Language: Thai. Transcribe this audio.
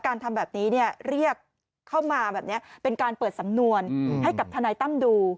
ทำแบบนี้เรียกเข้ามาแบบนี้เป็นการเปิดสำนวนให้กับทนายตั้มดู